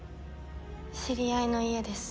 知り合いの家です。